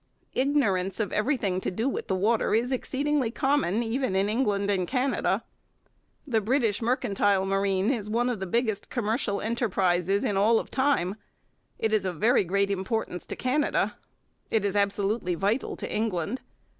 Ignorance of everything to do with the water is exceedingly common, even in England and Canada. The British mercantile marine is one of the biggest commercial enterprises of all time. It is of very great importance to Canada. It is absolutely vital to England.